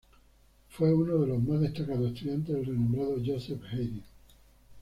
Fue uno de los más destacados estudiantes del renombrado Joseph Haydn.